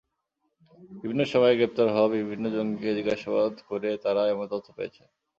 বিভিন্ন সময়ে গ্রেপ্তার হওয়া বিভিন্ন জঙ্গিকে জিজ্ঞাসাবাদ করে তাঁরা এমন তথ্য পেয়েছেন।